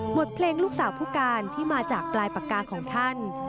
เพลงลูกสาวผู้การที่มาจากปลายปากกาของท่าน